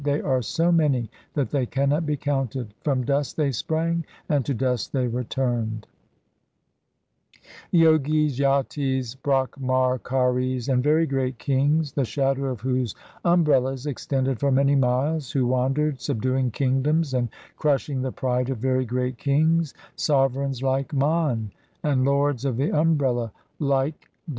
they are so many that they cannot be counted ; from dust they sprang and to dust they returned. Jogis, Jatis, Brahmacharis 4 , and very great kings, the shadow of whose umbrellas extended for many miles, Who wandered subduing kingdoms and crushing the pride of very great kings, Sovereigns like Man 5 and lords of the umbrella like 1 The reference is to dancing and roaring faqTrs.